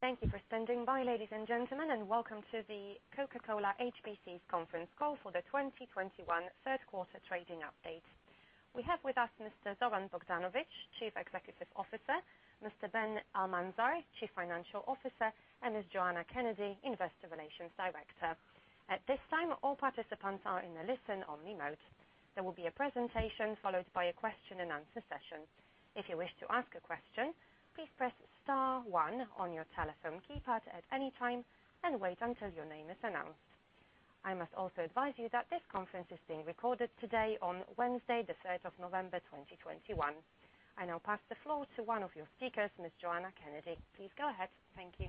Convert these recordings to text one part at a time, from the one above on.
Thank you for standing by, ladies and gentlemen, and welcome to the Coca-Cola HBC's conference call for the 2021 third quarter trading update. We have with us Mr. Zoran Bogdanovic, Chief Executive Officer, Mr. Ben Almanzar, Chief Financial Officer, and Ms. Joanna Kennedy, Investor Relations Director. At this time, all participants are in a listen-only mode. There will be a presentation followed by a question and answer session. If you wish to ask a question, please press star one on your telephone keypad at any time and wait until your name is announced. I must also advise you that this conference is being recorded today on Wednesday, the third of November, 2021. I now pass the floor to one of your speakers, Ms. Joanna Kennedy. Please go ahead. Thank you.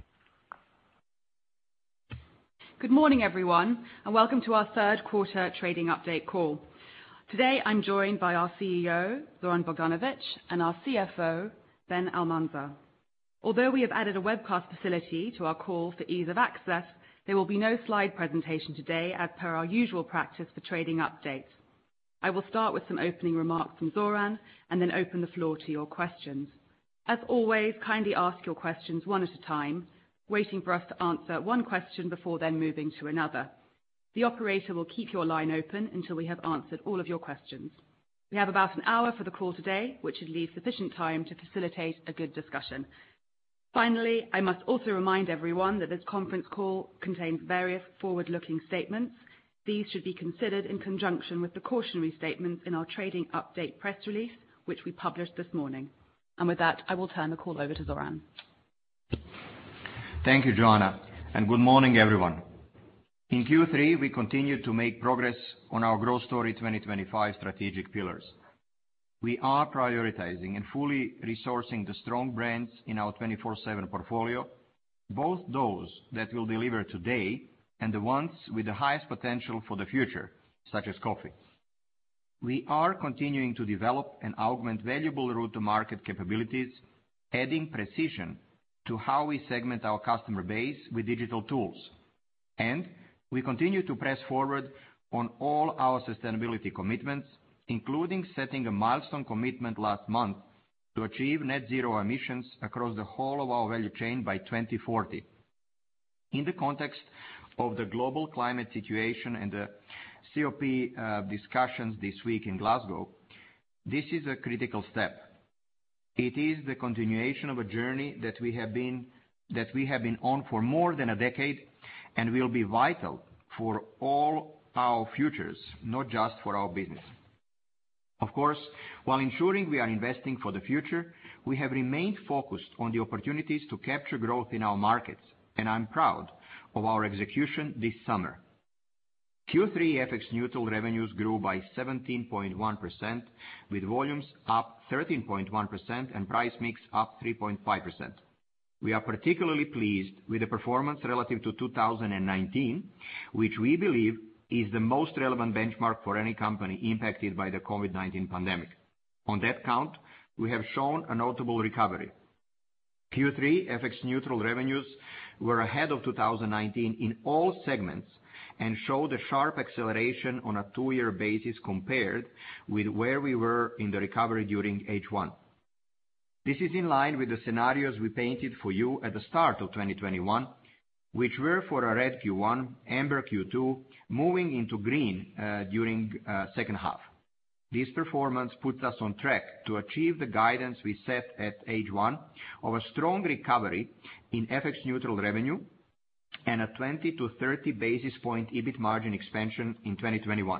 Good morning, everyone, and welcome to our third quarter trading update call. Today, I'm joined by our CEO, Zoran Bogdanovic, and our CFO, Ben Almanzar. Although we have added a webcast facility to our call for ease of access, there will be no slide presentation today as per our usual practice for trading updates. I will start with some opening remarks from Zoran and then open the floor to your questions. As always, kindly ask your questions one at a time, waiting for us to answer one question before then moving to another. The operator will keep your line open until we have answered all of your questions. We have about an hour for the call today, which should leave sufficient time to facilitate a good discussion. Finally, I must also remind everyone that this conference call contains various forward-looking statements. These should be considered in conjunction with the cautionary statements in our trading update press release, which we published this morning. With that, I will turn the call over to Zoran. Thank you, Joanna, and good morning, everyone. In Q3, we continued to make progress on our Growth Story 2025 strategic pillars. We are prioritizing and fully resourcing the strong brands in our 24/7 portfolio, both those that will deliver today and the ones with the highest potential for the future, such as coffee. We are continuing to develop and augment valuable route to market capabilities, adding precision to how we segment our customer base with digital tools. And we continue to press forward on all our sustainability commitments, including setting a milestone commitment last month to achieve net zero emissions across the whole of our value chain by 2040. In the context of the global climate situation and the COP discussions this week in Glasgow, this is a critical step. It is the continuation of a journey that we have been on for more than a decade and will be vital for all our futures, not just for our business. Of course, while ensuring we are investing for the future, we have remained focused on the opportunities to capture growth in our markets. I'm proud of our execution this summer. Q3 FX neutral revenues grew by 17.1%, with volumes up 13.1% and price mix up 3.5%. We are particularly pleased with the performance relative to 2019, which we believe is the most relevant benchmark for any company impacted by the COVID-19 pandemic. On that count, we have shown a notable recovery. Q3 FX neutral revenues were ahead of 2019 in all segments and showed a sharp acceleration on a two-year basis compared with where we were in the recovery during H1. This is in line with the scenarios we painted for you at the start of 2021, which were for a red Q1, amber Q2, moving into green during second half. This performance puts us on track to achieve the guidance we set at H1 of a strong recovery in FX neutral revenue and a 20 to 30 basis point EBIT margin expansion in 2021.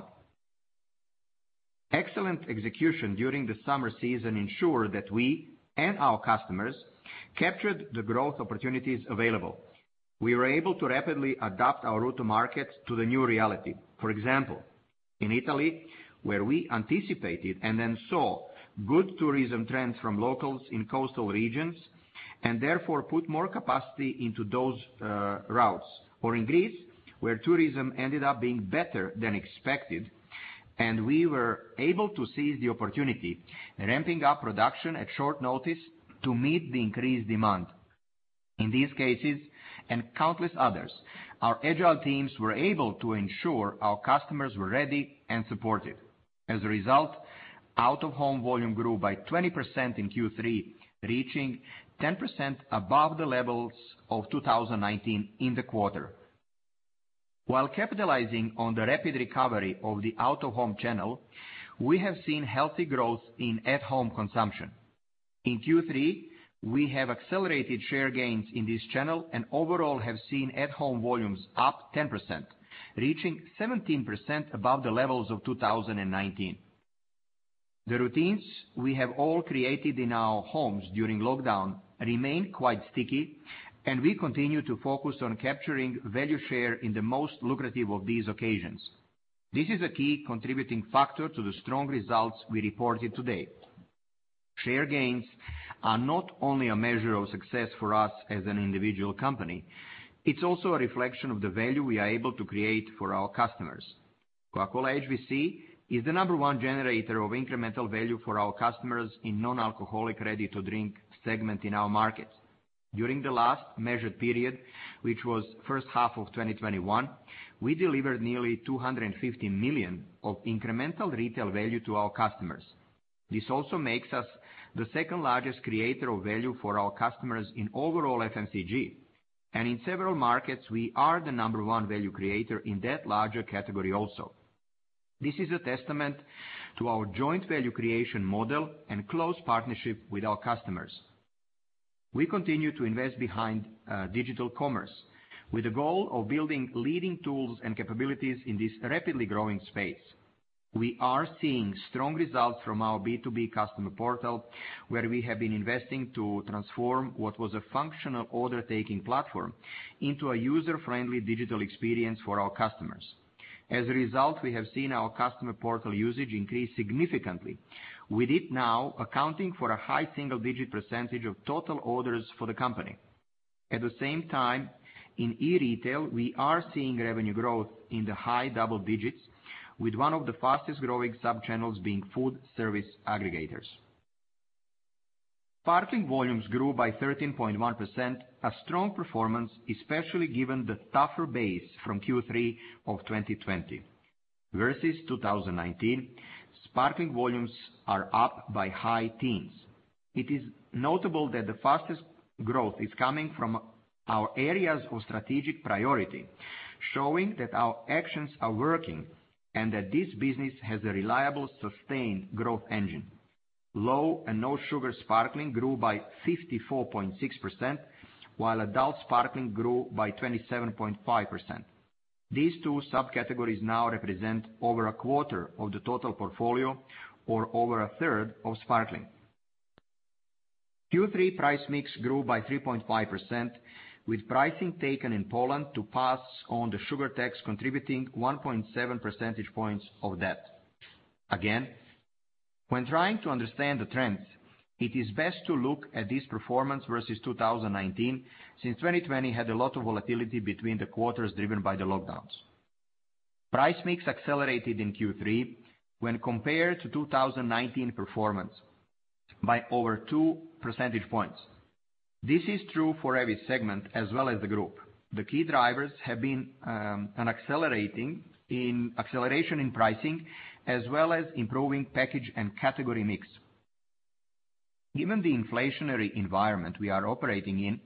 Excellent execution during the summer season ensured that we and our customers captured the growth opportunities available. We were able to rapidly adapt our route to market to the new reality. For example, in Italy, where we anticipated and then saw good tourism trends from locals in coastal regions and therefore put more capacity into those routes. Or in Greece, where tourism ended up being better than expected and we were able to seize the opportunity, ramping up production at short notice to meet the increased demand. In these cases and countless others, our agile teams were able to ensure our customers were ready and supported. As a result, out of home volume grew by 20% in Q3, reaching 10% above the levels of 2019 in the quarter. While capitalizing on the rapid recovery of the out of home channel, we have seen healthy growth in at home consumption. In Q3, we have accelerated share gains in this channel and overall have seen at home volumes up 10%, reaching 17% above the levels of 2019. The routines we have all created in our homes during lockdown remain quite sticky, and we continue to focus on capturing value share in the most lucrative of these occasions. This is a key contributing factor to the strong results we reported today. Share gains are not only a measure of success for us as an individual company, it's also a reflection of the value we are able to create for our customers. Coca-Cola HBC is the number one generator of incremental value for our customers in non-alcoholic ready-to-drink segment in our markets. During the last measured period, which was first half of 2021, we delivered nearly 250 million of incremental retail value to our customers. This also makes us the second largest creator of value for our customers in overall FMCG. In several markets, we are the number one value creator in that larger category also. This is a testament to our joint value creation model and close partnership with our customers. We continue to invest behind digital commerce with the goal of building leading tools and capabilities in this rapidly growing space. We are seeing strong results from our B2B customer portal, where we have been investing to transform what was a functional order taking platform into a user-friendly digital experience for our customers. As a result, we have seen our customer portal usage increase significantly, with it now accounting for a high single-digit percentage of total orders for the company. At the same time, in e-retail, we are seeing revenue growth in the high double digits with one of the fastest growing sub-channels being food service aggregators. Sparkling volumes grew by 13.1%, a strong performance, especially given the tougher base from Q3 of 2020. Versus 2019, sparkling volumes are up by high teens. It is notable that the fastest growth is coming from our areas of strategic priority, showing that our actions are working and that this business has a reliable, sustained growth engine. Low and no sugar sparkling grew by 54.6%, while adult sparkling grew by 27.5%. These two subcategories now represent over a quarter of the total portfolio or over a third of sparkling. Q3 price mix grew by 3.5%, with pricing taken in Poland to pass on the sugar tax, contributing 1.7 percentage points of that. Again, when trying to understand the trends, it is best to look at this performance versus 2019, since 2020 had a lot of volatility between the quarters driven by the lockdowns. Price mix accelerated in Q3 when compared to 2019 performance by over two percentage points. This is true for every segment as well as the group. The key drivers have been acceleration in pricing, as well as improving package and category mix. Given the inflationary environment we are operating in,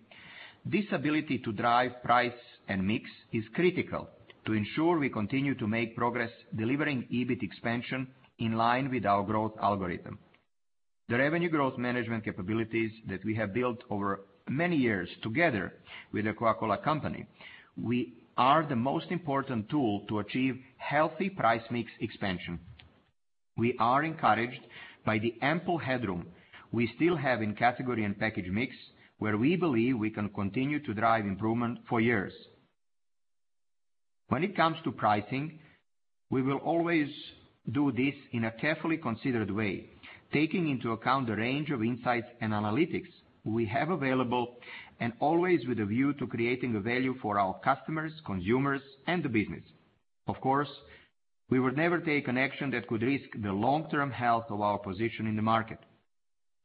this ability to drive price and mix is critical to ensure we continue to make progress delivering EBIT expansion in line with our growth algorithm. The revenue growth management capabilities that we have built over many years together with The Coca-Cola Company are the most important tool to achieve healthy price mix expansion. We are encouraged by the ample headroom we still have in category and package mix, where we believe we can continue to drive improvement for years. When it comes to pricing, we will always do this in a carefully considered way, taking into account the range of insights and analytics we have available, and always with a view to creating value for our customers, consumers, and the business. Of course, we would never take an action that could risk the long-term health of our position in the market.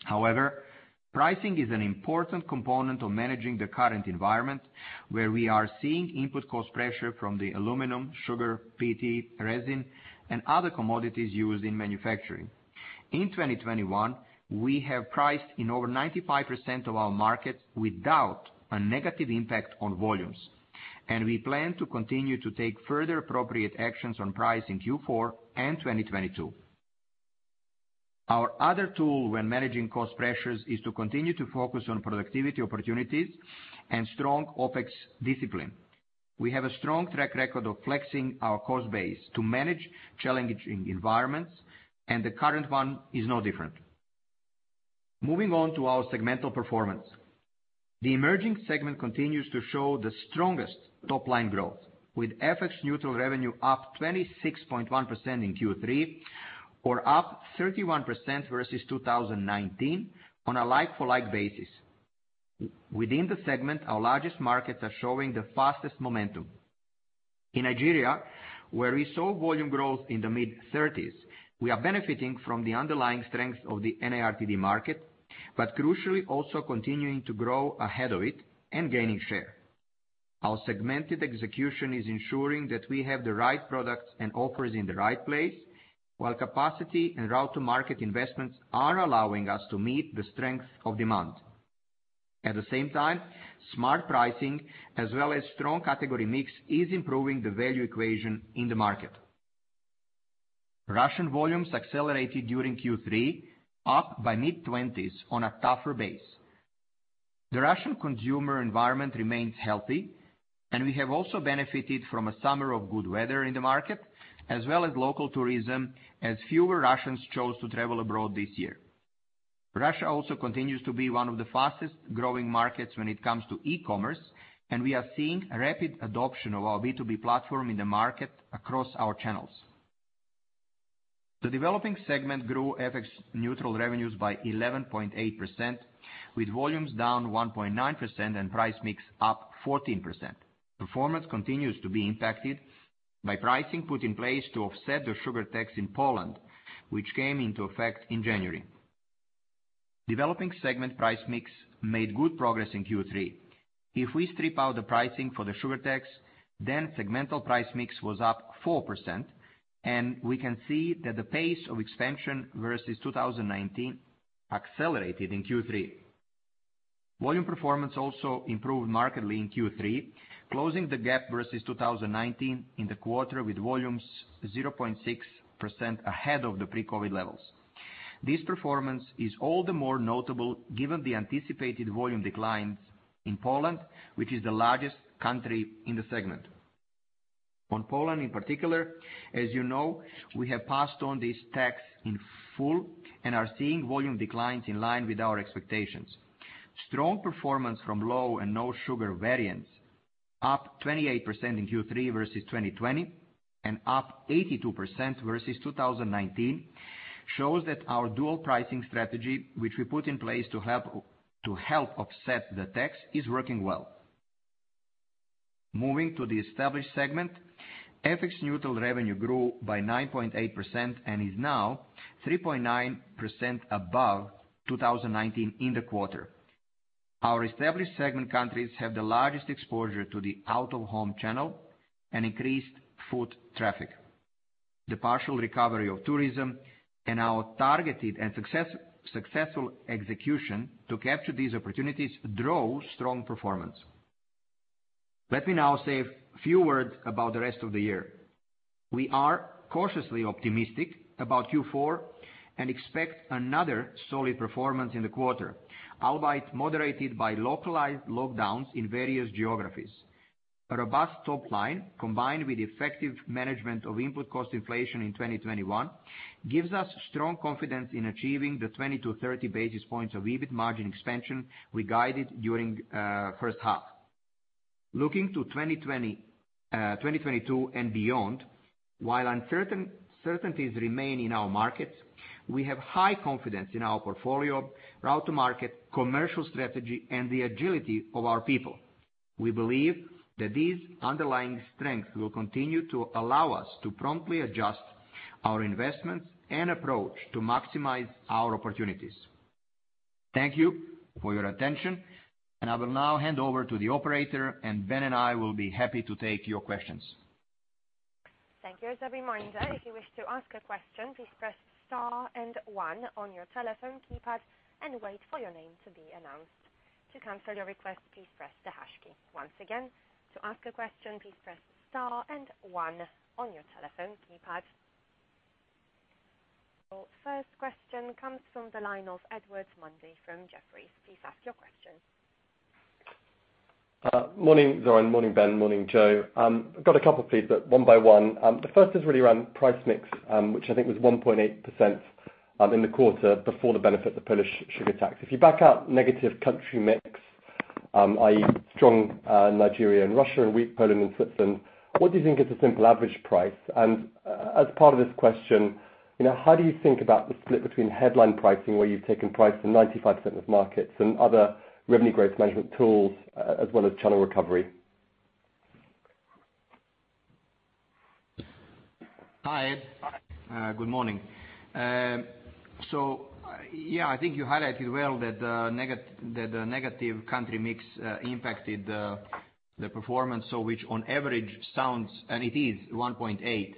However, pricing is an important component of managing the current environment, where we are seeing input cost pressure from the aluminum, sugar, PET, resin, and other commodities used in manufacturing. In 2021, we have priced in over 95% of our market without a negative impact on volumes, and we plan to continue to take further appropriate actions on price in Q4 and 2022. Our other tool when managing cost pressures is to continue to focus on productivity opportunities and strong OpEx discipline. We have a strong track record of flexing our cost base to manage challenging environments, and the current one is no different. Moving on to our segmental performance. The emerging segment continues to show the strongest top-line growth, with FX neutral revenue up 26.1% in Q3 or up 31% versus 2019 on a like for like basis. Within the segment, our largest markets are showing the fastest momentum. In Nigeria, where we saw volume growth in the mid-30s, we are benefiting from the underlying strength of the NARTD market, but crucially also continuing to grow ahead of it and gaining share. Our segmented execution is ensuring that we have the right products and offers in the right place, while capacity and route to market investments are allowing us to meet the strength of demand. At the same time, smart pricing as well as strong category mix is improving the value equation in the market. Russian volumes accelerated during Q3, up by mid-20s on a tougher base. The Russian consumer environment remains healthy, and we have also benefited from a summer of good weather in the market as well as local tourism as fewer Russians chose to travel abroad this year. Russia also continues to be one of the fastest growing markets when it comes to e-commerce, and we are seeing a rapid adoption of our B2B platform in the market across our channels. The developing segment grew FX neutral revenues by 11.8%, with volumes down 1.9% and price mix up 14%. Performance continues to be impacted by pricing put in place to offset the sugar tax in Poland, which came into effect in January. Developing segment price mix made good progress in Q3. If we strip out the pricing for the sugar tax, then segmental price mix was up 4% and we can see that the pace of expansion versus 2019 accelerated in Q3. Volume performance also improved markedly in Q3, closing the gap versus 2019 in the quarter, with volumes 0.6% ahead of the pre-COVID levels. This performance is all the more notable given the anticipated volume declines in Poland, which is the largest country in the segment. On Poland, in particular, as you know, we have passed on this tax in full and are seeing volume declines in line with our expectations. Strong performance from low and no sugar variants, up 28% in Q3 versus 2020 and up 82% versus 2019, shows that our dual pricing strategy, which we put in place to help offset the tax, is working well. Moving to the established segment, FX neutral revenue grew by 9.8% and is now 3.9% above 2019 in the quarter. Our established segment countries have the largest exposure to the out of home channel and increased foot traffic. The partial recovery of tourism and our targeted and successful execution to capture these opportunities drove strong performance. Let me now say a few words about the rest of the year. We are cautiously optimistic about Q4 and expect another solid performance in the quarter, albeit moderated by localized lockdowns in various geographies. A robust top line combined with effective management of input cost inflation in 2021 gives us strong confidence in achieving the 20-30 basis points of EBIT margin expansion we guided during first half. Looking to 2022 and beyond, while uncertainties remain in our markets, we have high confidence in our portfolio route to market, commercial strategy and the agility of our people. We believe that these underlying strengths will continue to allow us to promptly adjust our investments and approach to maximize our opportunities. Thank you for your attention. I will now hand over to the operator, and Ben and I will be happy to take your questions. Thank you. Our first question comes from the line of Edward Mundy from Jefferies. Please ask your question. Morning Zoran, morning Ben, morning Jo. I've got a couple please, but one by one. The first is really around price mix, which I think was 1.8%, in the quarter before the benefit of the Polish sugar tax. If you back out negative country mix, i.e. strong Nigeria and Russia and weak Poland and Switzerland, what do you think is the simple average price? As part of this question, you know, how do you think about the split between headline pricing where you've taken price in 95% of markets and other revenue growth management tools, as well as channel recovery? Hi Ed. Good morning. So, yeah, I think you highlighted well that the negative country mix impacted the performance, so which on average sounds and it is 1.8.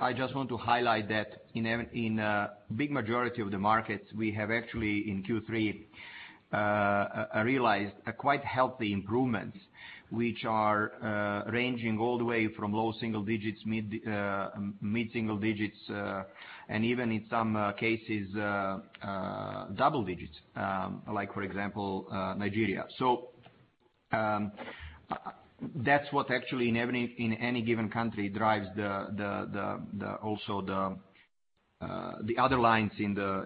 I just want to highlight that in a big majority of the markets we have actually in Q3 realized quite healthy improvements which are ranging all the way from low single digits, mid single digits, and even in some cases double digits, like for example Nigeria. So that's what actually in any given country drives also the other lines in the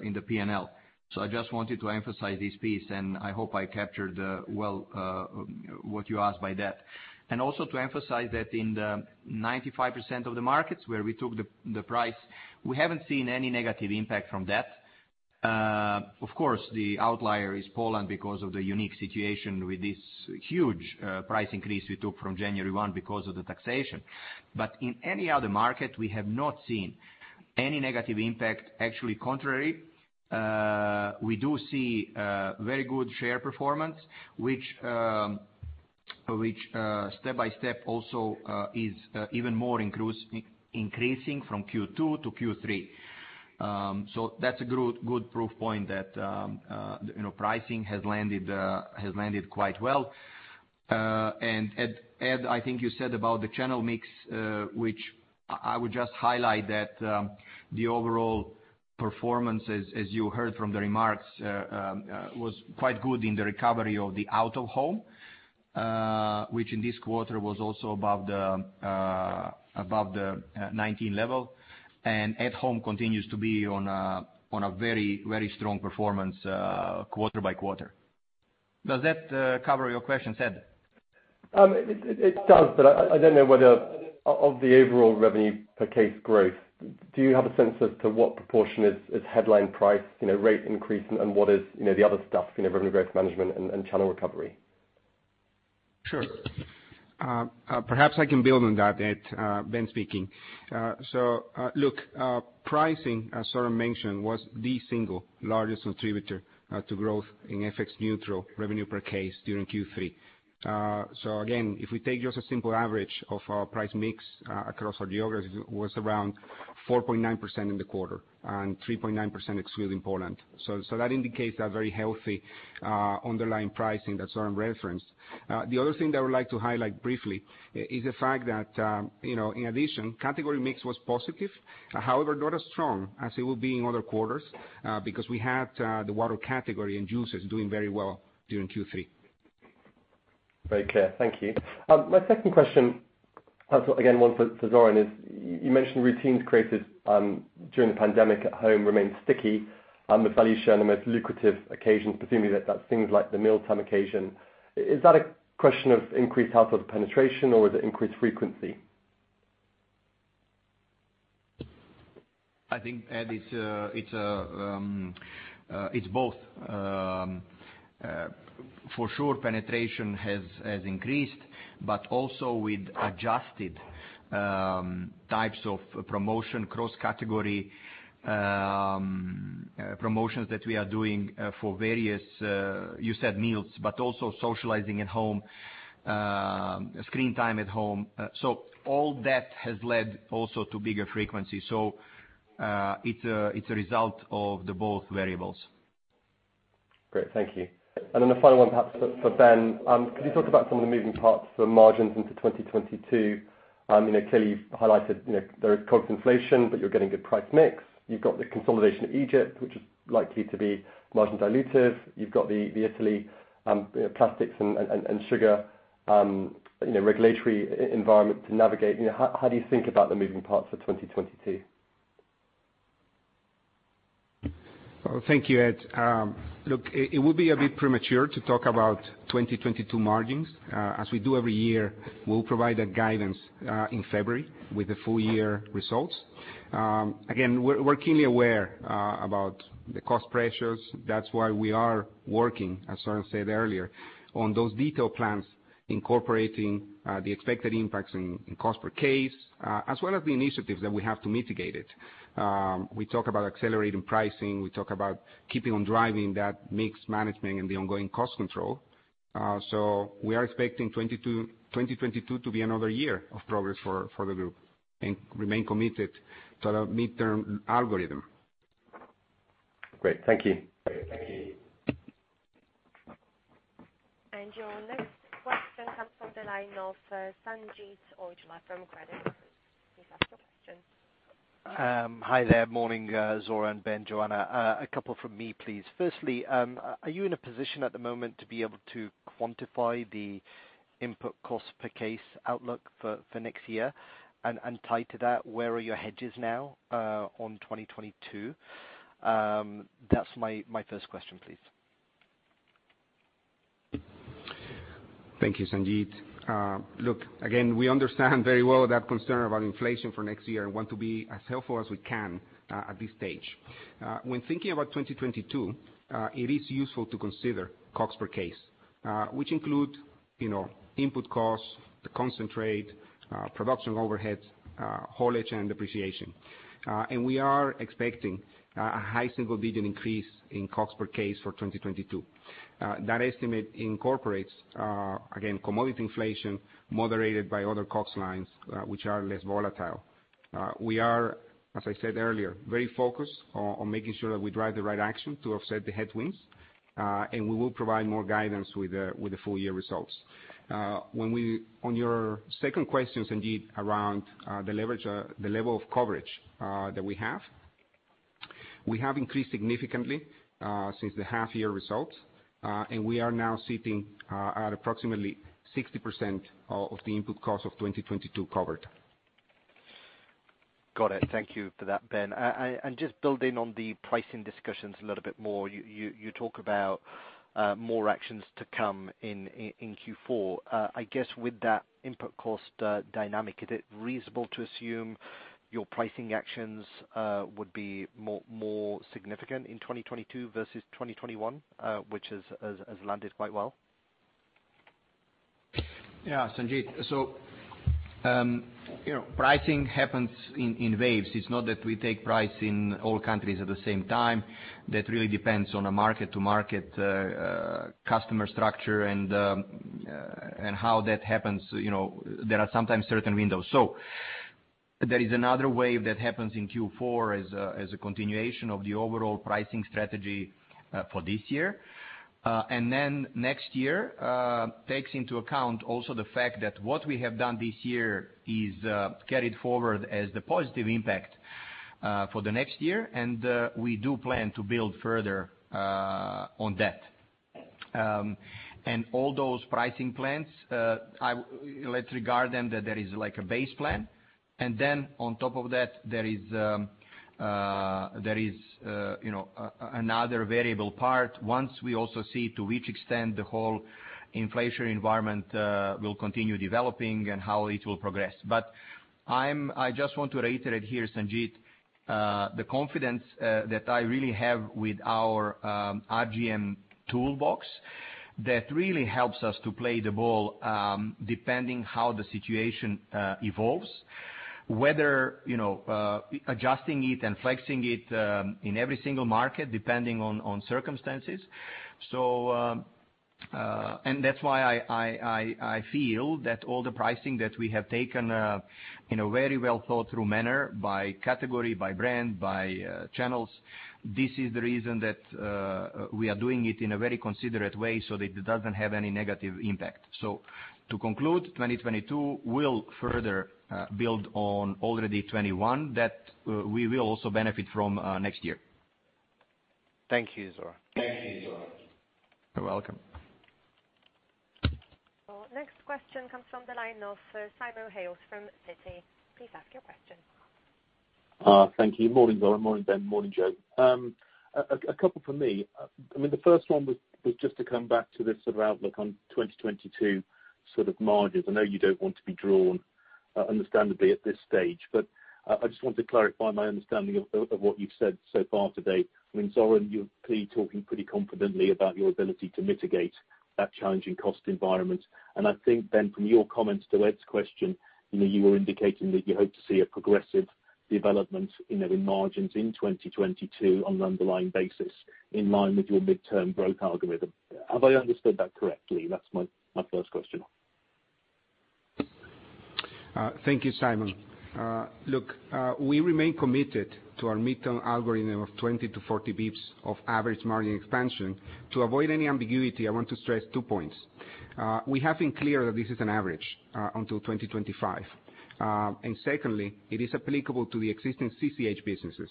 PNL. I just wanted to emphasize this piece, and I hope I captured well what you asked by that. Also to emphasize that in the 95% of the markets where we took the price, we haven't seen any negative impact from that. Of course, the outlier is Poland because of the unique situation with this huge price increase we took from January one because of the taxation. In any other market we have not seen any negative impact. Actually, contrary, we do see very good share performance, which step by step also is even more increasing from Q2 to Q3. That's a good proof point that you know, pricing has landed quite well. Ed, I think you said about the channel mix, which I would just highlight that, the overall performance as you heard from the remarks, was quite good in the recovery of the out of home, which in this quarter was also above the 2019 level and at home continues to be on a very strong performance, quarter by quarter. Does that cover your questions, Ed? It does, but I don't know whether of the overall revenue per case growth, do you have a sense as to what proportion is headline price, you know, rate increase and what is, you know, the other stuff, you know, revenue growth management and channel recovery? Perhaps I can build on that, Ed. Ben speaking. So look, pricing, as Zoran mentioned, was the single largest contributor to growth in FX neutral revenue per case during Q3. Again, if we take just a simple average of our price mix across our geographies was around 4.9% in the quarter, and 3.9% excluding Poland. That indicates a very healthy underlying pricing that Zoran referenced. The other thing that I would like to highlight briefly is the fact that, you know, in addition, category mix was positive, however, not as strong as it will be in other quarters, because we had the water category and juices doing very well during Q3. Very clear. Thank you. My second question, again one for Zoran is, you mentioned routines created during the pandemic at home remain sticky with value share in the most lucrative occasions, presumably that's things like the mealtime occasion. Is that a question of increased household penetration or is it increased frequency? I think, Ed, it's both. For sure penetration has increased, but also with adjusted types of promotion, cross-category promotions that we are doing for various you said meals, but also socializing at home, screen time at home. All that has led also to bigger frequency. It's a result of the both variables. Great, thank you. A final one perhaps for Ben. Could you talk about some of the moving parts for margins into 2022? You know, clearly you've highlighted, you know, there is cost inflation, but you're getting good price mix. You've got the consolidation of Egypt, which is likely to be margin dilutive. You've got the Italy, you know, plastics and sugar, regulatory environment to navigate. You know, how do you think about the moving parts for 2022? Well, thank you, Ed. Look, it would be a bit premature to talk about 2022 margins. As we do every year, we'll provide a guidance in February with the full year results. Again, we're keenly aware about the cost pressures. That's why we are working, as Zoran said earlier, on those detailed plans incorporating the expected impacts in cost per case, as well as the initiatives that we have to mitigate it. We talk about accelerating pricing, we talk about keeping on driving that mix management and the ongoing cost control. So we are expecting 2022 to be another year of progress for the group and remain committed to the midterm algorithm. Great. Thank you. Thank you. Your next question comes from the line of Sanjeet Aujla from Credit Suisse. Please ask your question. Hi there. Morning, Zoran, Ben, Joanna, a couple from me, please. Firstly, are you in a position at the moment to be able to quantify the input cost per case outlook for next year? And tied to that, where are your hedges now on 2022? That's my first question, please. Thank you, Sanjit. Look, again, we understand very well that concern about inflation for next year and want to be as helpful as we can, at this stage. When thinking about 2022, it is useful to consider costs per case, which include, you know, input costs, the concentrate, production overheads, haulage and depreciation. We are expecting a high single digit increase in costs per case for 2022. That estimate incorporates, again, commodity inflation moderated by other costs lines, which are less volatile. We are, as I said earlier, very focused on making sure that we drive the right action to offset the headwinds, and we will provide more guidance with the full year results. When we, On your second question, Sanjeet, around the leverage, the level of coverage that we have, we have increased significantly since the half-year results, and we are now sitting at approximately 60% of the input cost of 2022 covered. Got it. Thank you for that, Ben. Just building on the pricing discussions a little bit more, you talk about more actions to come in Q4. I guess with that input cost dynamic, is it reasonable to assume your pricing actions would be more significant in 2022 versus 2021, which has landed quite well? Yeah, Sanjeet. So, you know, pricing happens in waves. It's not that we take price in all countries at the same time. That really depends on a market to market customer structure and how that happens. You know, there are sometimes certain windows. So there is another wave that happens in Q4 as a continuation of the overall pricing strategy for this year. And then next year takes into account also the fact that what we have done this year is carried forward as the positive impact for the next year, and we do plan to build further on that. All those pricing plans, I. Let's regard them that there is like a base plan, and then on top of that, there is you know another variable part. Once we also see to which extent the whole inflation environment will continue developing and how it will progress. But I just want to reiterate here, Sanjeet, the confidence that I really have with our RGM toolbox that really helps us to play the ball, depending how the situation evolves, whether you know adjusting it and flexing it in every single market, depending on circumstances. That's why I feel that all the pricing that we have taken in a very well thought through manner by category, by brand, by channels. This is the reason that we are doing it in a very considerate way so that it doesn't have any negative impact. So to conclude, 2022 will further build on already 2021 that we will also benefit from next year. Thank you, Zoran. You're welcome. Our next question comes from the line of Simon Hales from Citi. Please ask your question. Thank you. Morning, Zoran, morning, Ben, morning, Jo. A couple from me. I mean, the first one was just to come back to this sort of outlook on 2022 sort of margins. I know you don't want to be drawn, understandably at this stage. But I just wanted to clarify my understanding of what you've said so far today. I mean, Zoran, you're clearly talking pretty confidently about your ability to mitigate that challenging cost environment. I think, Ben, from your comments to Ed's question, you know, you were indicating that you hope to see a progressive development, you know, in margins in 2022 on an underlying basis in line with your midterm growth algorithm. Have I understood that correctly? That's my first question. Thank you, Simon. Look, we remain committed to our midterm algorithm of 20 to 40 basis points of average margin expansion. To avoid any ambiguity, I want to stress two points. We have been clear that this is an average until 2025. Secondly, it is applicable to the existing CCH businesses.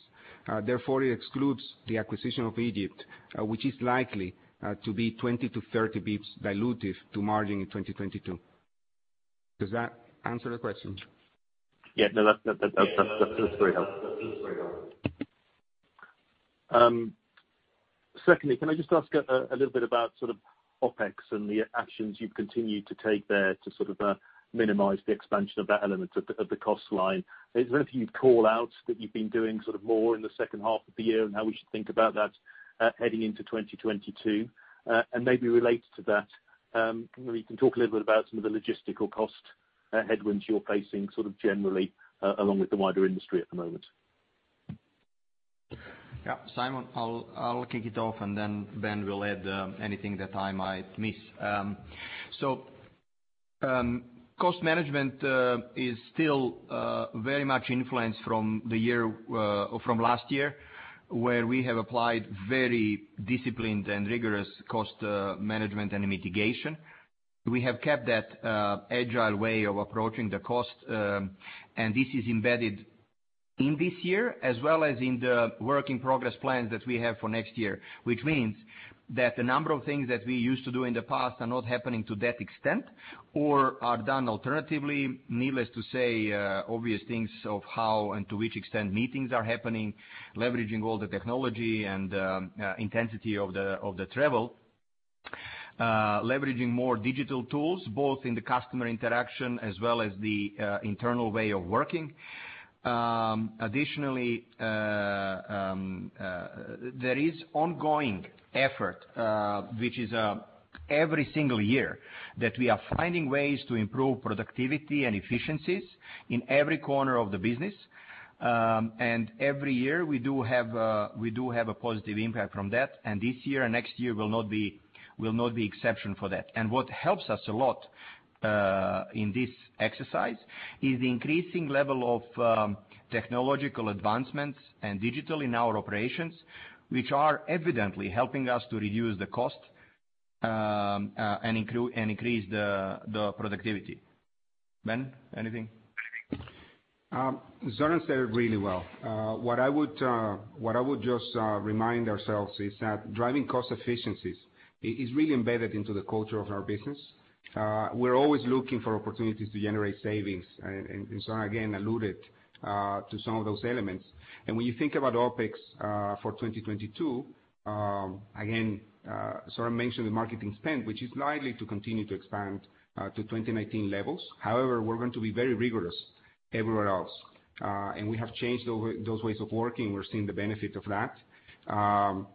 Therefore, it excludes the acquisition of Egypt, which is likely to be 20 to 30 basis points dilutive to margin in 2022. Does that answer the question? Yeah, no, that's very helpful. Secondly, can I just ask a little bit about sort of OpEx and the actions you've continued to take there to sort of minimize the expansion of that element of the cost line? Is there anything you'd call out that you've been doing sort of more in the second half of the year and how we should think about that heading into 2022? And maybe related to that, you can talk a little bit about some of the logistical cost headwinds you're facing sort of generally along with the wider industry at the moment. Yeah. Simon, I'll kick it off and then Ben will add anything that I might miss. So, cost management is still very much influenced from the year or from last year, where we have applied very disciplined and rigorous cost management and mitigation. We have kept that agile way of approaching the cost, and this is embedded in this year as well as in the work in progress plans that we have for next year, which means that the number of things that we used to do in the past are not happening to that extent or are done alternatively. Needless to say, obvious things of how and to which extent meetings are happening, leveraging all the technology and intensity of the travel. Leveraging more digital tools, both in the customer interaction as well as the internal way of working. Additionally, there is ongoing effort, which is every single year that we are finding ways to improve productivity and efficiencies in every corner of the business. And every year, we do have a positive impact from that. This year and next year will not be exception for that. What helps us a lot in this exercise is the increasing level of technological advancements and digital in our operations, which are evidently helping us to reduce the cost and increase the productivity. Ben, anything? Zoran said it really well. What I would just remind ourselves is that driving cost efficiencies is really embedded into the culture of our business. We're always looking for opportunities to generate savings, and Zoran, again, alluded to some of those elements. When you think about OpEx for 2022, again, Zoran mentioned the marketing spend, which is likely to continue to expand to 2019 levels. However, we're going to be very rigorous everywhere else. We have changed those ways of working. We're seeing the benefit of that.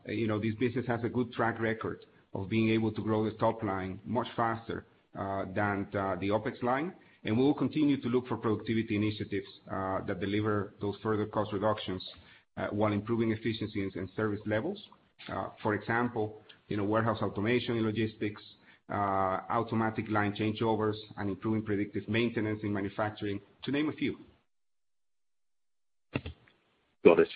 You know, this business has a good track record of being able to grow this top line much faster than the OpEx line. We will continue to look for productivity initiatives that deliver those further cost reductions while improving efficiencies and service levels. For example, you know, warehouse automation and logistics, automatic line changeovers, and improving predictive maintenance in manufacturing, to name a few. Got it.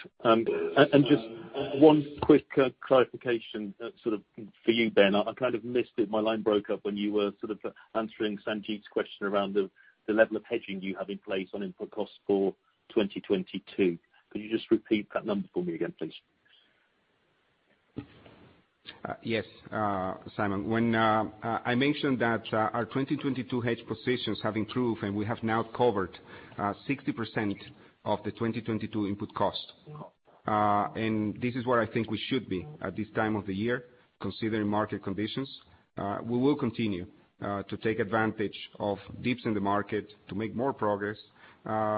Just one quick clarification, sort of for you, Ben. I kind of missed it. My line broke up when you were sort of answering Sanjeet’s question around the level of hedging you have in place on input costs for 2022. Could you just repeat that number for me again, please? Yes, Simon. When I mentioned that our 2022 hedge positions have improved, and we have now covered 60% of the 2022 input cost. This is where I think we should be at this time of the year, considering market conditions. We will continue to take advantage of dips in the market to make more progress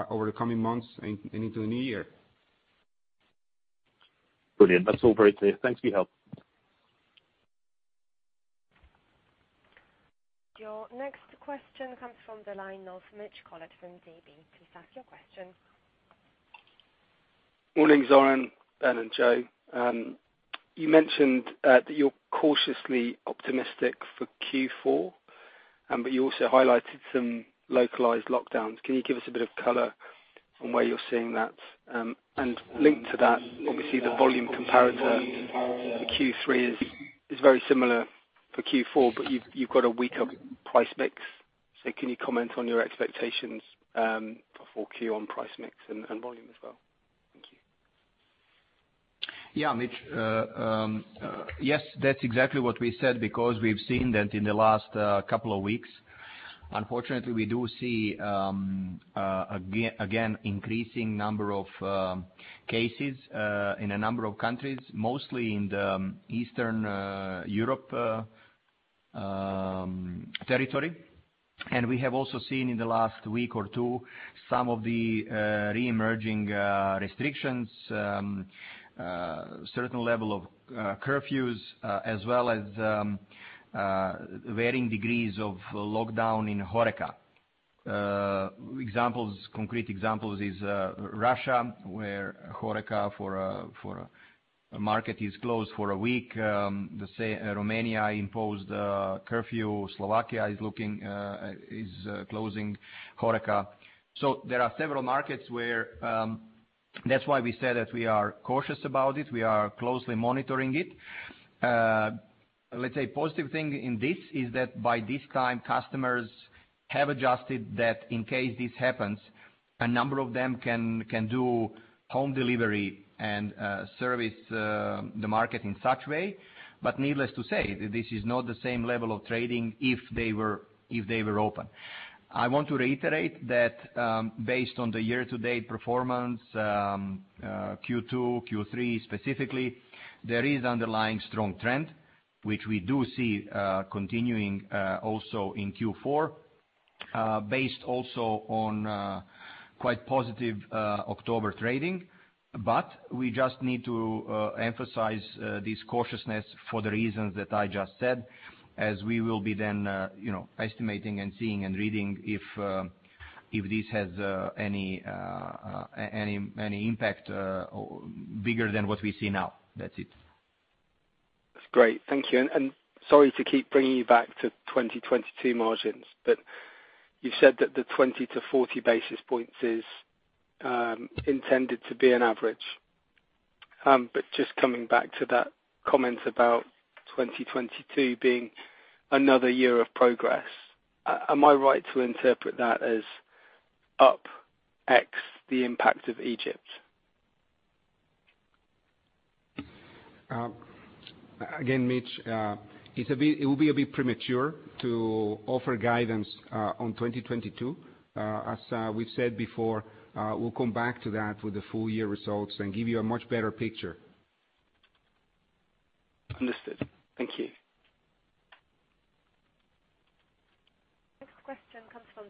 over the coming months and into the new year. Brilliant. That's all very clear. Thanks for your help. Your next question comes from the line of Mitch Collett from DB. Please ask your question. Morning, Zoran, Ben, and Jo. You mentioned that you're cautiously optimistic for Q4, but you also highlighted some localized lockdowns. Can you give us a bit of color on where you're seeing that? Linked to that, obviously the volume comparator for Q3 is very similar for Q4, but you've got a weaker price mix. So can you comment on your expectations for Q4 on price mix and volume as well? Thank you. Yeah, Mitch. Yes, that's exactly what we said because we've seen that in the last couple of weeks. Unfortunately, we do see again increasing number of cases in a number of countries, mostly in the Eastern Europe territory. And we have also seen in the last week or two some of the reemerging restrictions certain level of curfews as well as varying degrees of lockdown in HORECA. Concrete examples is Russia, where HORECA for a market is closed for a week. Let's say Romania imposed a curfew. Slovakia is closing HORECA. So there are several markets. That's why we said that we are cautious about it. We are closely monitoring it. Let's say positive thing in this is that by this time customers have adjusted that in case this happens, a number of them can do home delivery and service the market in such way. But needless to say, this is not the same level of trading if they were open. I want to reiterate that, based on the year-to-date performance, Q2, Q3 specifically, there is underlying strong trend, which we do see continuing also in Q4, based also on quite positive October trading. We just need to emphasize this cautiousness for the reasons that I just said as we will be then you know estimating and seeing and reading if this has any impact bigger than what we see now. That's it. That's great. Thank you. Sorry to keep bringing you back to 2022 margins, but you said that the 20 to 40 basis points is intended to be an average. But just coming back to that comment about 2022 being another year of progress, am I right to interpret that as ex the impact of Egypt? Again, Mitch, it would be a bit premature to offer guidance on 2022. As we've said before, we'll come back to that with the full year results and give you a much better picture. Understood. Thank you.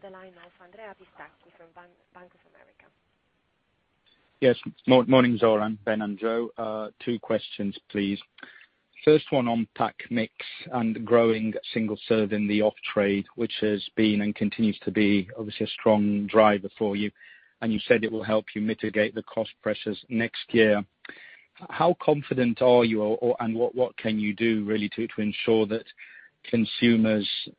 Next question comes from the line of Andrea Pistacchi from Bank of America. Morning, Zoran, Ben, and Jo. Two questions, please. First one on pack mix and growing single serve in the off trade, which has been and continues to be obviously a strong driver for you, and you said it will help you mitigate the cost pressures next year. How confident are you and what can you do really to ensure that consumers stay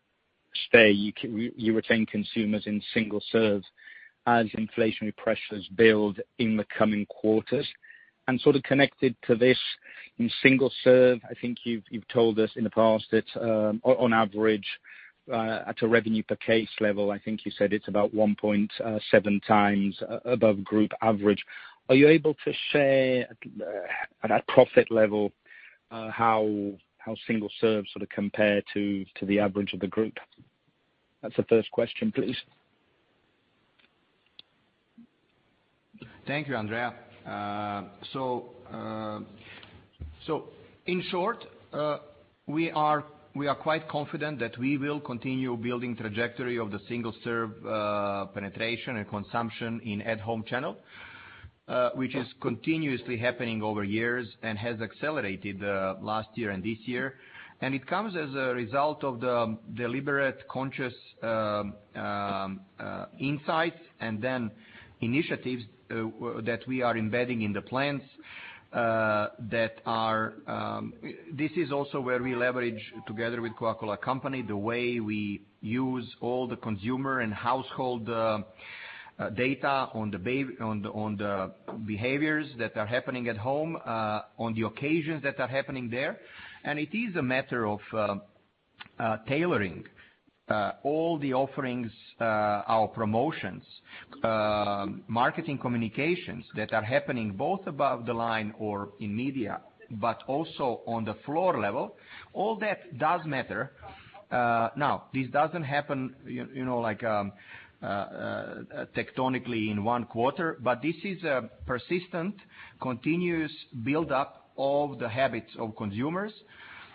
you retain consumers in single serve as inflationary pressures build in the coming quarters? Sort of connected to this, in single serve, I think you've told us in the past it's on average at a revenue per case level, I think you said it's about 1.7 times above group average. Are you able to share at a profit level how single serve sort of compare to the average of the group? That's the first question, please. Thank you, Andrea. So in short, we are quite confident that we will continue building trajectory of the single serve penetration and consumption in at home channel, which is continuously happening over years and has accelerated last year and this year. And it comes as a result of the deliberate conscious insights and then initiatives that we are embedding in the plans that are. This is also where we leverage together with Coca-Cola Company the way we use all the consumer and household data on the behaviors that are happening at home on the occasions that are happening there. It is a matter of tailoring all the offerings, our promotions, marketing communications that are happening both above the line or in media, but also on the floor level. All that does matter. Now, this doesn't happen, you know, like, tectonically in one quarter, but this is a persistent, continuous build-up of the habits of consumers,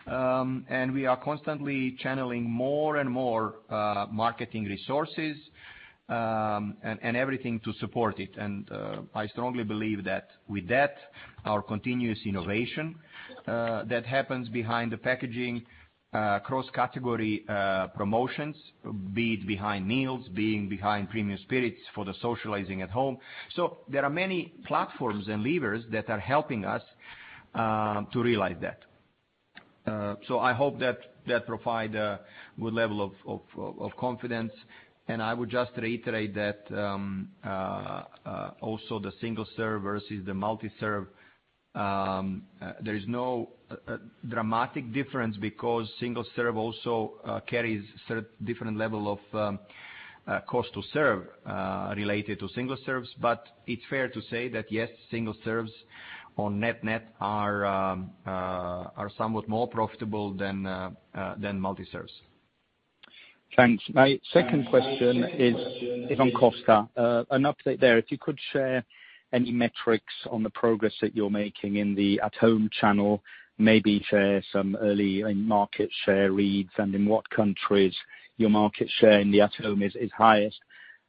and we are constantly channeling more and more marketing resources, and everything to support it. I strongly believe that with that, our continuous innovation that happens behind the packaging, cross-category promotions, be it behind meals, be it behind premium spirits for the socializing at home. So there are many platforms and levers that are helping us to realize that. I hope that provide good level of confidence. I would just reiterate that also the single serve versus the multi-serve, there is no dramatic difference because single serve also carries different level of cost to serve related to single serves. It's fair to say that, yes, single serves on net-net are somewhat more profitable than multi-serves. Thanks. My second question is on Costa. An update there. If you could share any metrics on the progress that you're making in the at-home channel, maybe share some early market share reads and in what countries your market share in the at home is highest.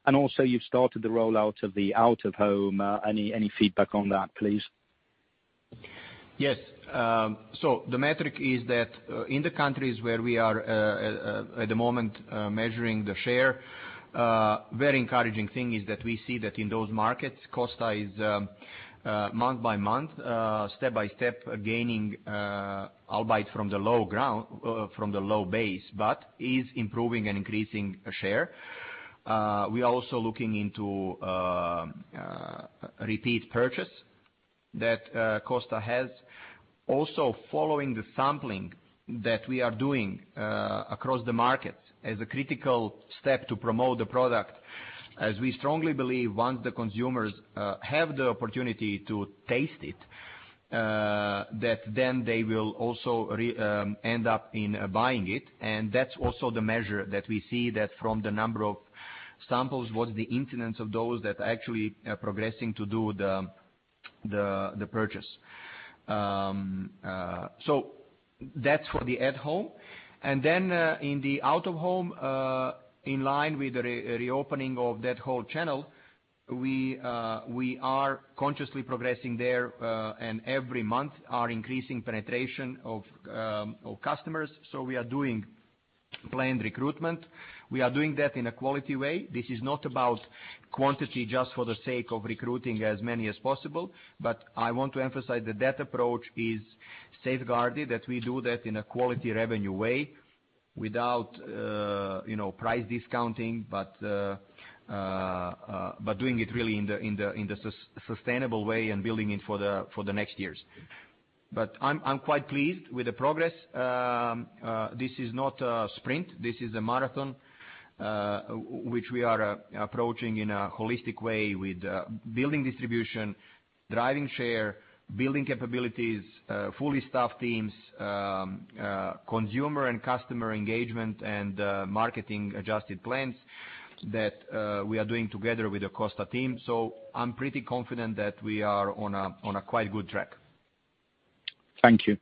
And also, you've started the rollout of the out-of-home, any feedback on that, please? Yes. The metric is that in the countries where we are at the moment measuring the share, very encouraging thing is that we see that in those markets, Costa is month by month step-by-step gaining albeit from the low base, but is improving and increasing share. We are also looking into repeat purchase that Costa has. Also, following the sampling that we are doing across the market as a critical step to promote the product. As we strongly believe once the consumers have the opportunity to taste it that then they will also end up in buying it. That's also the measure that we see that from the number of samples, what's the incidence of those that actually are progressing to do the purchase. So that's for the at home. Then, in the out-of-home, in line with the reopening of that whole channel, we are consciously progressing there, and every month are increasing penetration of customers. We are doing planned recruitment. We are doing that in a quality way. This is not about quantity just for the sake of recruiting as many as possible, but I want to emphasize that that approach is safeguarded, that we do that in a quality revenue way without, you know, price discounting, but doing it really in the sustainable way and building it for the next years. I'm quite pleased with the progress. This is not a sprint. This is a marathon, which we are approaching in a holistic way with building distribution, driving share, building capabilities, fully staffed teams, consumer and customer engagement and marketing adjusted plans that we are doing together with the Costa team. So i'm pretty confident that we are on a quite good track. Thank you.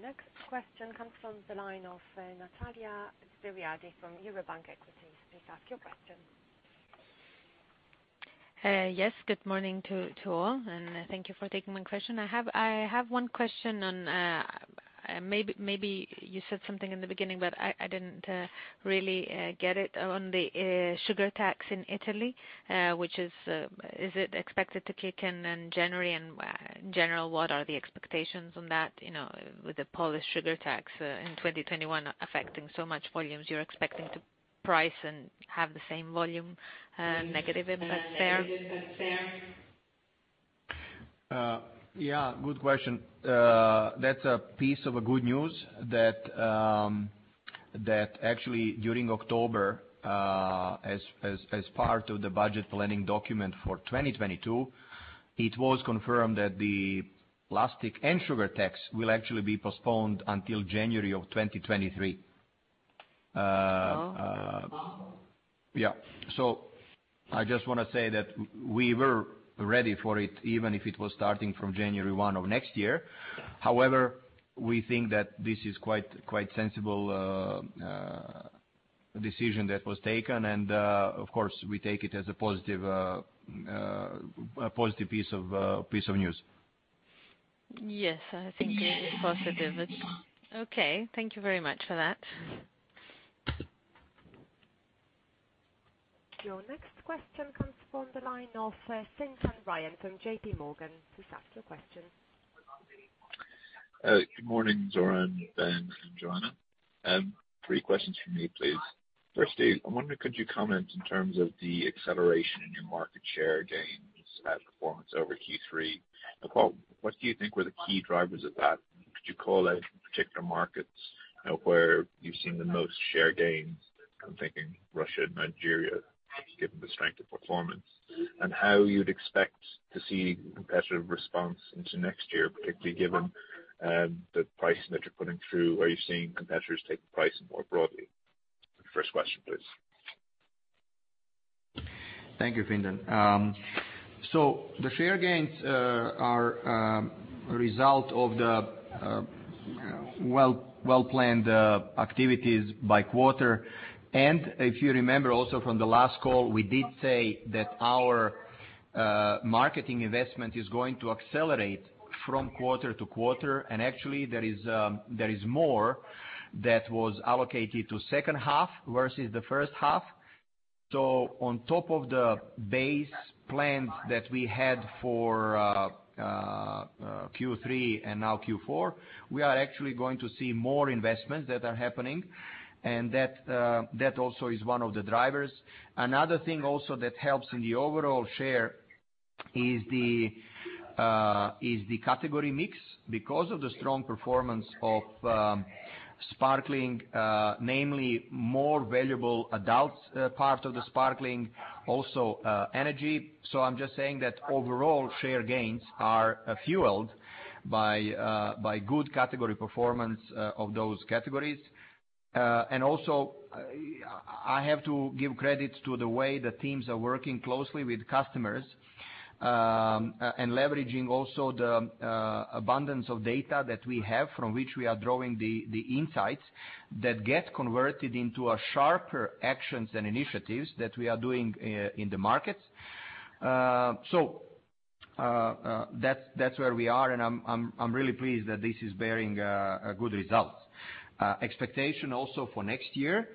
Next question comes from the line of Natalia Svyriadi from Eurobank Equities. Please ask your question. Yes. Good morning to all, and thank you for taking my question. I have one question on maybe you said something in the beginning, but I didn't really get it on the sugar tax in Italy, which is it expected to kick in in January? In general, what are the expectations on that, you know, with the Polish sugar tax in 2021 affecting so much volumes, you're expecting to price and have the same volume negative impact there? Yeah, good question. That's a piece of a good news that actually during October, as part of the budget planning document for 2022, it was confirmed that the plastic and sugar tax will actually be postponed until January of 2023. Oh. Yeah. So I just wanna say that we were ready for it, even if it was starting from January one of next year. However, we think that this is quite sensible decision that was taken. Of course, we take it as a positive piece of news. Yes. I think it is positive. It's okay. Thank you very much for that. Your next question comes from the line of Fintan Ryan from JP Morgan. Please ask your question. Good morning, Zoran, Ben and Joanna. Three questions from me, please. Firstly, I wonder, could you comment in terms of the acceleration in your market share gains, performance over Q3? Like, what do you think were the key drivers of that? Could you call out particular markets, where you've seen the most share gains? I'm thinking Russia and Nigeria, given the strength of performance. How you'd expect to see competitive response into next year, particularly given, the pricing that you're putting through. Are you seeing competitors taking pricing more broadly? The first question, please. Thank you, Fintan. So the share gains are a result of the well-planned activities by quarter. And if you remember also from the last call, we did say that our marketing investment is going to accelerate from quarter to quarter. Actually, there is more that was allocated to second half versus the first half. On top of the base plan that we had for Q3 and now Q4, we are actually going to see more investments that are happening and that also is one of the drivers. Another thing also that helps in the overall share is the category mix because of the strong performance of sparkling, namely more valuable adults part of the sparkling, also energy. I'm just saying that overall share gains are fueled by good category performance of those categories. And also, I have to give credit to the way the teams are working closely with customers and leveraging also the abundance of data that we have from which we are drawing the insights that get converted into a sharper actions and initiatives that we are doing in the markets. So that's where we are and I'm really pleased that this is bearing a good result. Expectation also for next year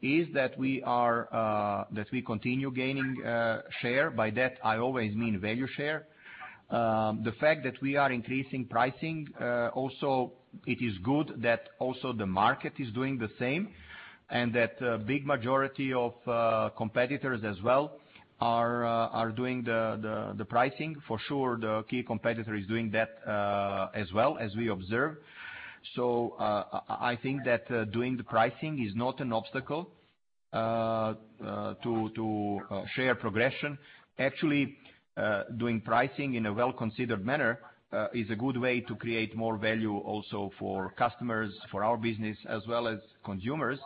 is that we continue gaining share. By that, I always mean value share. The fact that we are increasing pricing, also it is good that also the market is doing the same, and that a big majority of competitors as well are doing the pricing. For sure, the key competitor is doing that, as well as we observe. I think that doing the pricing is not an obstacle to share progression. Actually, doing pricing in a well-considered manner is a good way to create more value also for customers, for our business, as well as consumers.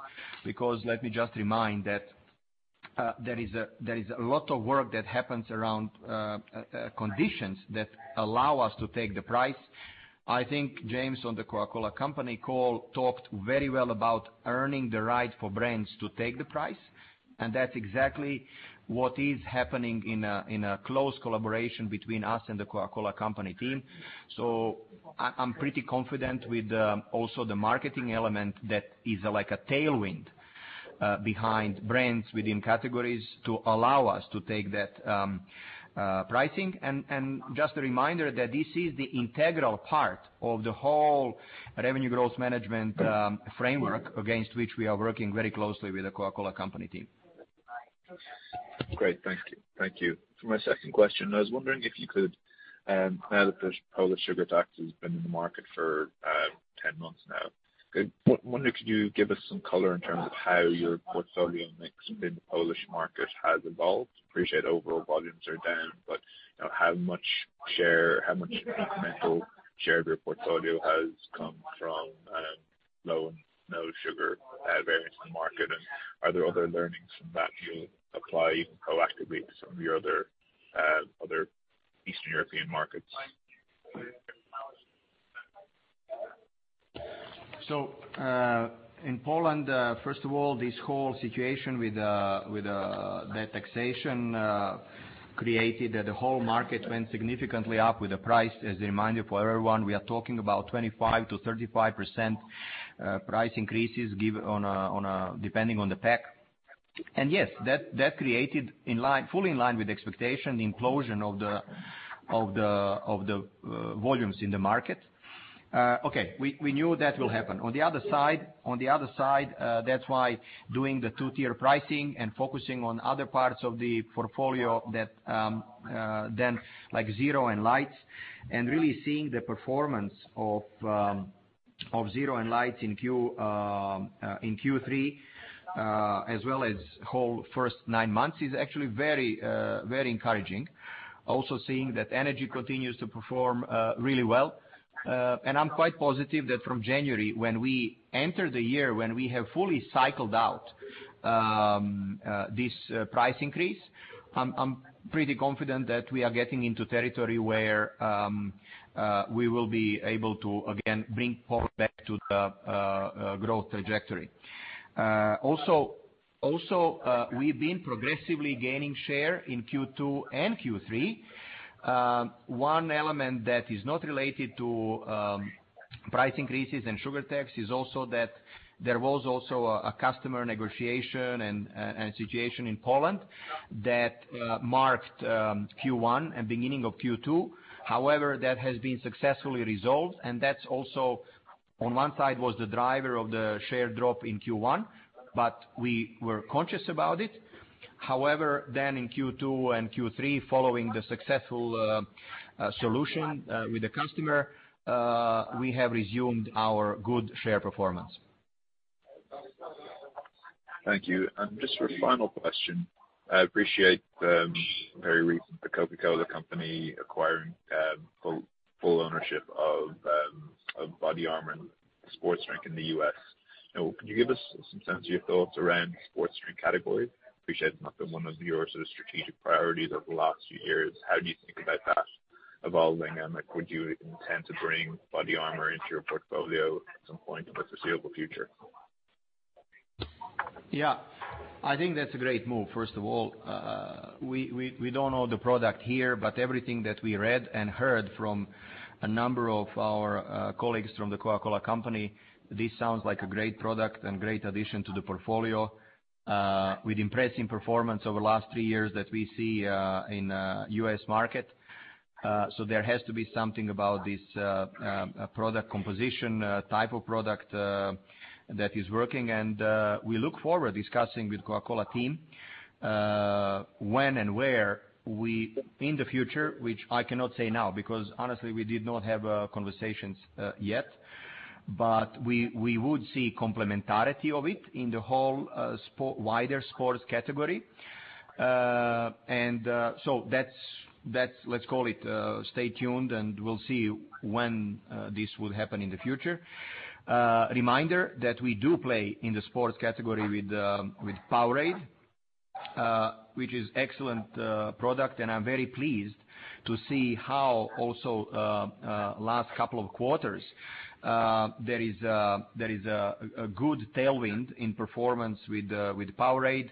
Because let me just remind that there is a lot of work that happens around conditions that allow us to take the price. I think James, on the Coca-Cola Company call, talked very well about earning the right for brands to take the price, and that's exactly what is happening in a close collaboration between us and the Coca-Cola Company team. So i'm pretty confident with also the marketing element that is like a tailwind behind brands within categories to allow us to take that pricing. And just a reminder that this is the integral part of the whole revenue growth management framework against which we are working very closely with the Coca-Cola Company team. Great. Thank you. Thank you. For my second question, I was wondering if you could, now that the Polish sugar tax has been in the market for 10 months now, I wonder, could you give us some color in terms of how your portfolio mix in the Polish market has evolved? I appreciate overall volumes are down, but how much share, how much incremental share of your portfolio has come from low and no sugar variants in the market? Are there other learnings from that you apply even proactively to some of your other Eastern European markets? So, in Poland, first of all, this whole situation with the taxation created the whole market went significantly up in price. As a reminder for everyone, we are talking about 25% to 35% price increases given depending on the pack. And yes, that created in line, fully in line with expectation, the implosion of the volumes in the market. Okay, we knew that will happen. On the other side, that's why doing the two-tier pricing and focusing on other parts of the portfolio other than, like, zero and lights, and really seeing the performance of zero and lights in Q3 as well as the whole first nine months is actually very encouraging. Seeing that energy continues to perform really well. I'm quite positive that from January, when we enter the year, when we have fully cycled out this price increase, I'm pretty confident that we are getting into territory where we will be able to again bring forward back to the growth trajectory. Also, we've been progressively gaining share in Q2 and Q3. One element that is not related to price increases and sugar tax is also that there was also a customer negotiation and situation in Poland that marked Q1 and beginning of Q2. However, that has been successfully resolved, and that's also on one side was the driver of the share drop in Q1, but we were conscious about it. However, in Q2 and Q3, following the successful solution with the customer, we have resumed our good share performance. Thank you. Just for a final question, I appreciate very recent The Coca-Cola Company acquiring full ownership of BODYARMOR sports drink in the U.S. Now, can you give us some sense of your thoughts around sports drink category? Appreciate it's not been one of your sort of strategic priorities over the last few years. How do you think about that evolving? Like, would you intend to bring BODYARMOR into your portfolio at some point in the foreseeable future? Yeah. I think that's a great move, first of all. We don't know the product here, but everything that we read and heard from a number of our colleagues from the Coca-Cola Company, this sounds like a great product and great addition to the portfolio, with impressive performance over the last three years that we see in U.S. market. So there has to be something about this product composition, type of product, that is working. We look forward discussing with Coca-Cola team, when and where we in the future, which I cannot say now, because honestly we did not have conversations yet, but we would see complementarity of it in the whole wider sports category. So that's, let's call it, stay tuned and we'll see when this will happen in the future. Reminder that we do play in the sports category with Powerade, which is excellent product. I'm very pleased to see how also last couple of quarters, there is a good tailwind in performance with Powerade.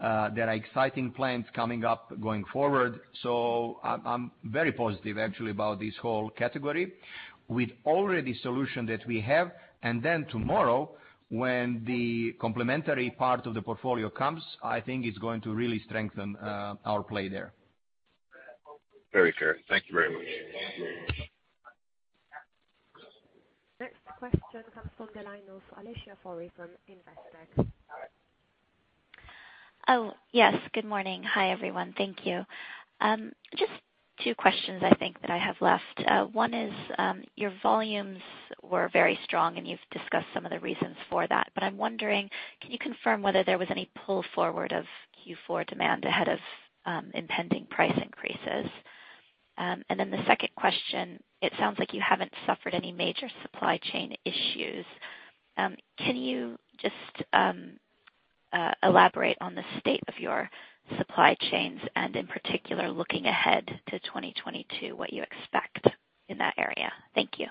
There are exciting plans coming up going forward. So i'm very positive actually about this whole category with already solution that we have. And then tomorrow when the complementary part of the portfolio comes, I think it's going to really strengthen our play there. Very fair. Thank you very much. Next question comes from the line of Alicia Forry from Investec. Oh, yes. Good morning. Hi everyone. Thank you. Just two questions I think that I have left. One is, your volumes were very strong and you've discussed some of the reasons for that, but I'm wondering, can you confirm whether there was any pull forward of Q4 demand ahead of impending price increases? And then the second question, it sounds like you haven't suffered any major supply chain issues. Can you just elaborate on the state of your supply chains and in particular looking ahead to 2022, what you expect in that area? Thank you.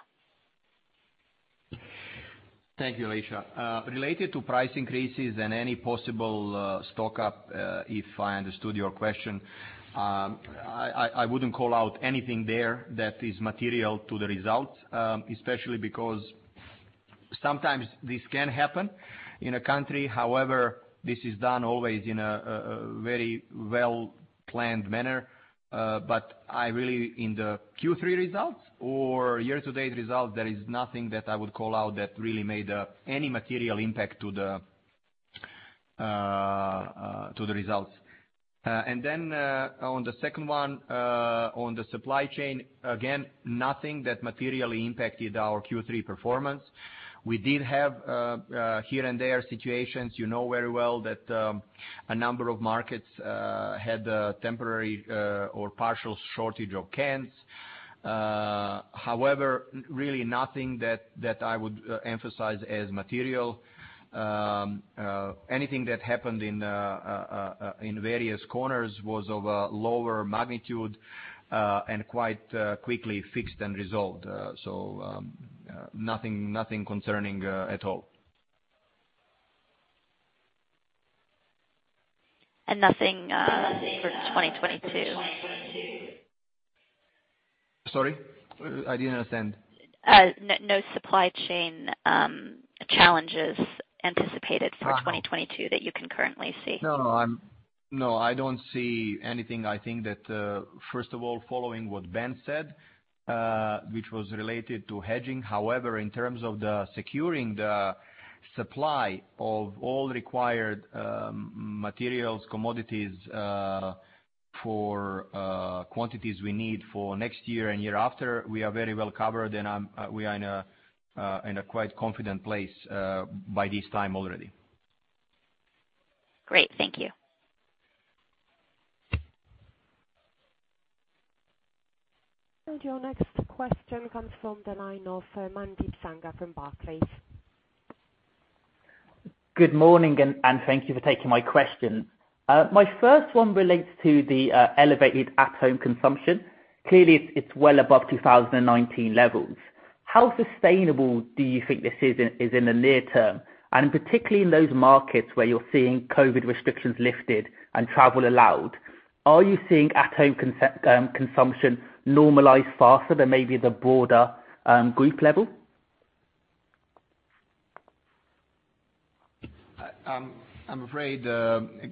Thank you, Alicia. Related to price increases and any possible stock up, if I understood your question, I wouldn't call out anything there that is material to the results. Especially because sometimes this can happen in a country, however, this is done always in a very well-planned manner. But I really, in the Q3 results or year-to-date results, there is nothing that I would call out that really made any material impact to the results. And then, on the second one, on the supply chain, again, nothing that materially impacted our Q3 performance. We did have here and there situations, you know very well that a number of markets had a temporary or partial shortage of cans. However, really nothing that I would emphasize as material. Anything that happened in various corners was of a lower magnitude and quite quickly fixed and resolved. Nothing concerning at all. Nothing for 2022? Sorry? I didn't understand. No supply chain challenges anticipated for 2022 that you can currently see. No, I don't see anything. I think that first of all, following what Ben said, which was related to hedging, however, in terms of securing the supply of all required materials, commodities, for quantities we need for next year and year after, we are very well covered and we are in a quite confident place by this time already. Great. Thank you. Your next question comes from the line of Mandeep Sangha from Barclays. Good morning and thank you for taking my question. My first one relates to the elevated at-home consumption. Clearly it's well above 2019 levels. How sustainable do you think this is in the near term, and particularly in those markets where you're seeing COVID-19 restrictions lifted and travel allowed, are you seeing at-home consumption normalize faster than maybe the broader group level? I'm afraid,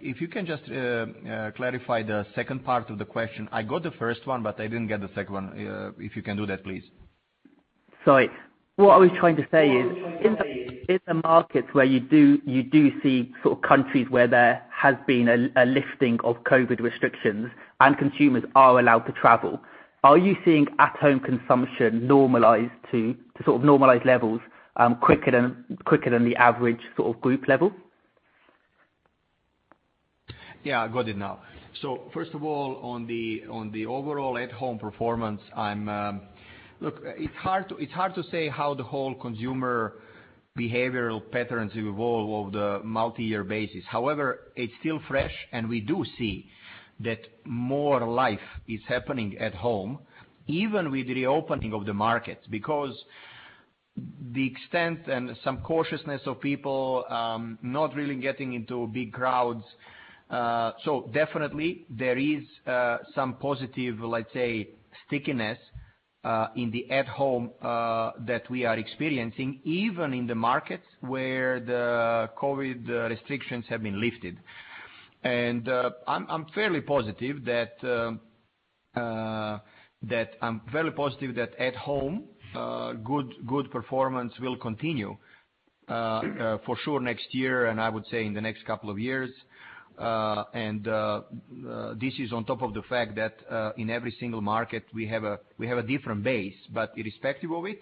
if you can just clarify the second part of the question. I got the first one, but I didn't get the second one. If you can do that, please. Sorry. What I was trying to say is in the markets where you do see sort of countries where there has been a lifting of COVID restrictions and consumers are allowed to travel, are you seeing at-home consumption normalize to sort of normalize levels quicker than the average sort of group level? Yeah, I got it now. First of all, on the overall at home performance, I'm. Look, it's hard to say how the whole consumer behavioral patterns evolve over the multi-year basis. However, it's still fresh, and we do see that more life is happening at home, even with the opening of the markets because the extent and some cautiousness of people not really getting into big crowds. So definitely there is some positive, let's say, stickiness in the at home that we are experiencing, even in the markets where the COVID restrictions have been lifted. And i'm fairly positive that I'm very positive that at home good performance will continue for sure next year, and I would say in the next couple of years. This is on top of the fact that in every single market, we have a different base, but irrespective of it.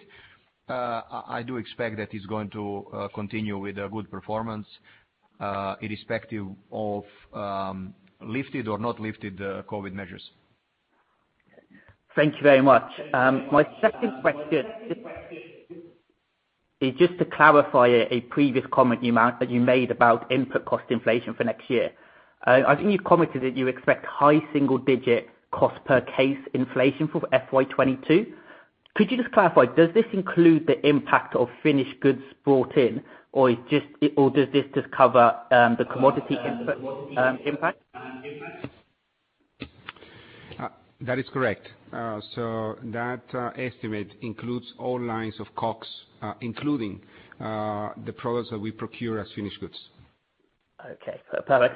I do expect that it's going to continue with a good performance, irrespective of lifted or not lifted COVID measures. Thank you very much. My second question is just to clarify a previous comment that you made about input cost inflation for next year. I think you've commented that you expect high single digit cost per case inflation for FY 2022. Could you just clarify, does this include the impact of finished goods brought in, or does this just cover the commodity input impact? That is correct. So that estimate includes all lines of COGS, including the products that we procure as finished goods. Okay. Perfect.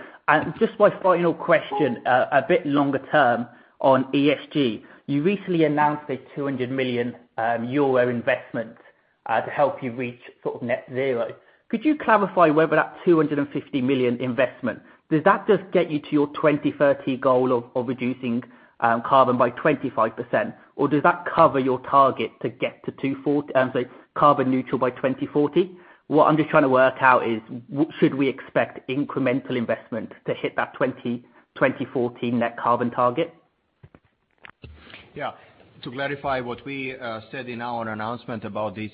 Just my final question, a bit longer term on ESG. You recently announced a 200 million euro investment to help you reach sort of net zero. Could you clarify whether that 250 million investment, does that just get you to your 2030 goal of reducing carbon by 25%? Or does that cover your target to get to 2040, so carbon neutral by 2040? What I'm just trying to work out is should we expect incremental investment to hit that 2024 net carbon target? Yeah. To clarify what we said in our announcement about this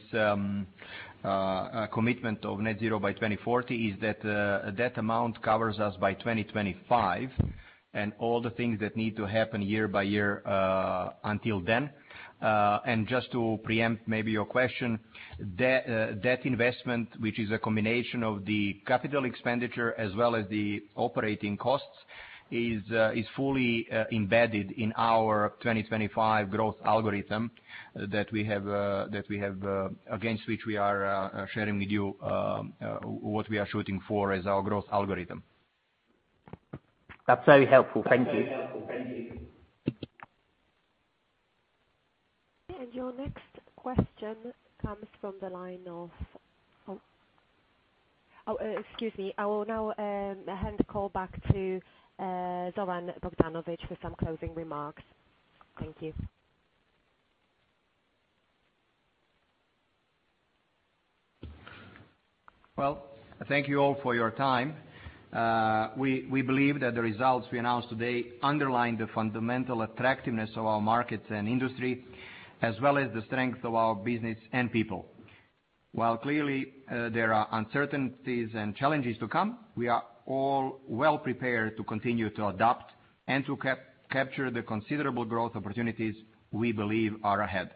commitment of net zero by 2040, is that amount covers us by 2025 and all the things that need to happen year by year until then. Just to preempt maybe your question, that investment, which is a combination of the capital expenditure as well as the operating costs, is fully embedded in our 2025 growth algorithm that we have against which we are sharing with you what we are shooting for as our growth algorithm. That's very helpful. Thank you. And your next question comes from the line of, excuse me. I will now hand the call back to Zoran Bogdanovic for some closing remarks. Thank you. Well, thank you all for your time. We believe that the results we announced today underline the fundamental attractiveness of our markets and industry, as well as the strength of our business and people. While clearly, there are uncertainties and challenges to come, we are all well prepared to continue to adapt and to capture the considerable growth opportunities we believe are ahead.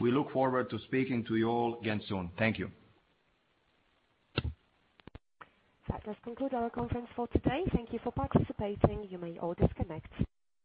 We look forward to speaking to you all again soon. Thank you. That does conclude our conference for today. Thank you for participating. You may all disconnect.